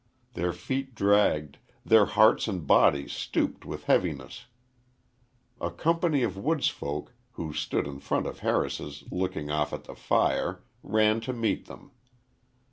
Their feet dragged, their hearts and bodies stooped with heaviness. A company of woods folk, who stood in front of Harris's looking off at the fire, ran to meet them.